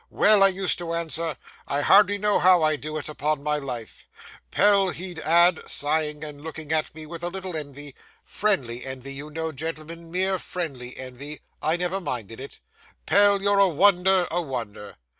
"Well," I used to answer, "I hardly know how I do it, upon my life." "Pell," he'd add, sighing, and looking at me with a little envy friendly envy, you know, gentlemen, mere friendly envy; I never minded it "Pell, you're a wonder; a wonder."